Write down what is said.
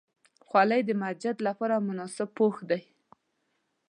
خولۍ د مسجد لپاره مناسب پوښ دی.